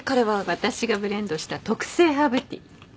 私がブレンドした特製ハーブティー。